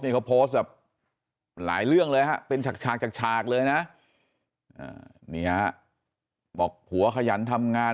นี้เขาโพสต์หลายเรื่องเลยเป็นฉากเลยนะบอกผัวขยันทำงาน